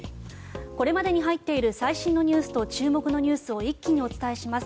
これまでに入っている最新ニュースと注目ニュースを一気にお伝えします。